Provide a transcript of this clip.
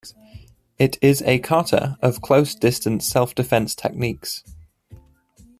It is a kata of close-distance self-defense techniques.